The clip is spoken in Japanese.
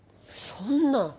そんな。